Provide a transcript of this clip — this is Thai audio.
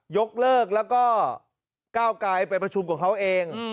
ยกเลิกแล้วก็ก้าวไกลไปประชุมกับเขาเอง